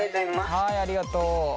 はいありがとう。